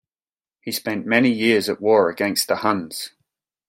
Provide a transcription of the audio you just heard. He spent many years at war against the Huns.